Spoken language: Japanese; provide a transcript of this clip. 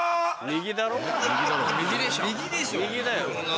右だよ。